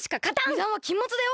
ゆだんはきんもつだよ！